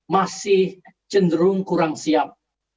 masih cenderung kurang siap